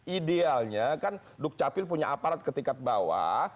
idealnya kan duk capil punya aparat ketikat bawah